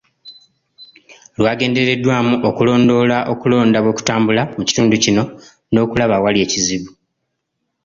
Lwagendereddwamu okulondoola okulonda bwe kutambula mu kitundu kino, n'okulaba awali ekizibu.